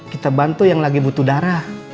kita bantu yang lagi butuh darah